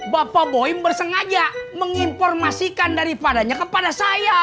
bapak boeing bersengaja menginformasikan daripadanya kepada saya